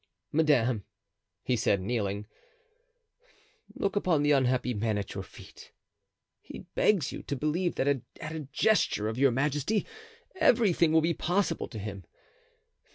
"Madame," he said, kneeling, "look upon the unhappy man at your feet. He begs you to believe that at a gesture of your majesty everything will be possible to him.